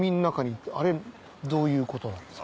あれどういうことなんですか？